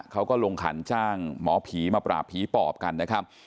เขาก็ลงขันจ้างหมอผีมาปราบผีปอบกันนะครับ